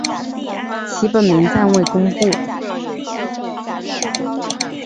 其本名暂未公布。